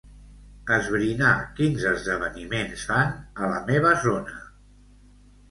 Esbrinar quins esdeveniments fan a la meva zona.